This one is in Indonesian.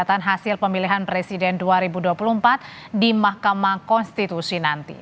penguatan hasil pemilihan presiden dua ribu dua puluh empat di mahkamah konstitusi nanti